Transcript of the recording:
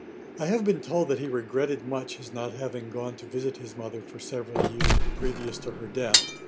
I have been told that he regretted much his not having gone to visit his mother for several years, previous to her death.